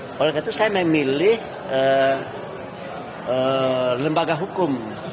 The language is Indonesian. oleh karena itu saya memilih lembaga hukum